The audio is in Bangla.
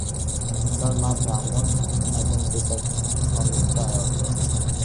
তার মা ব্রাহ্মণ এবং পিতা খন্দায়ত।